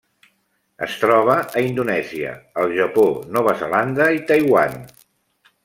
Es troba a Indonèsia, el Japó, Nova Zelanda i Taiwan.